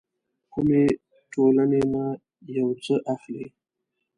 کومې ټولنې نه يو څه اخلي.